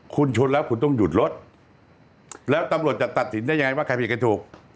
คุณชนแล้วคุณต้องหยุดรถแล้วตำรวจจะตัดสินได้ยังไงว่าใครผิดใครถูก